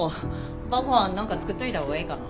晩ごはん何か作っといた方がええかな？